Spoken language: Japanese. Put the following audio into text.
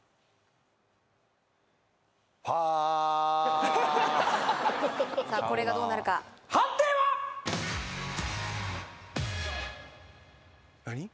ファーさあこれがどうなるか判定は何？